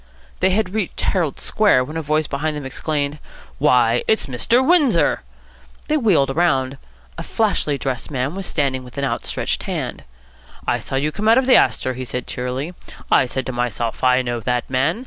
They had reached Herald Square, when a voice behind them exclaimed, "Why, it's Mr. Windsor!" They wheeled round. A flashily dressed man was standing with outstetched hand. "I saw you come out of the Astor," he said cheerily. "I said to myself, 'I know that man.'